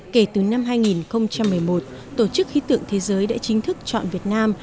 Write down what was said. kể từ năm hai nghìn một mươi một tổ chức khí tượng thế giới đã chính thức chọn việt nam